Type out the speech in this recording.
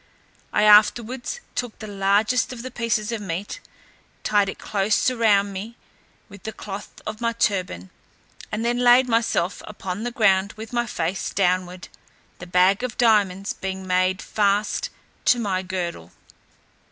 I afterwards took the largest of the pieces of meat, tied it close round me with the cloth of my turban, and then laid myself upon the ground with my face downward, the bag of diamonds being made fast to my girdle.